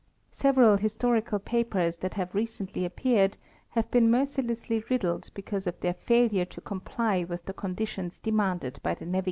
Several historical papers that have recently appeared have been mercilessly rid dled because of their failure to comply with the conditions de manded by the navigator.